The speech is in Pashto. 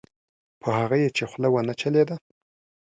په هغه یې چې خوله ونه چلېده.